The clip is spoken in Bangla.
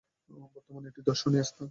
বর্তমানে এটি দর্শনীয় স্থান।